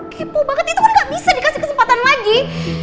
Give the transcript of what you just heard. kepo banget itu kan gak bisa dikasih kesempatan lagi